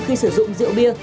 khi sử dụng rượu bia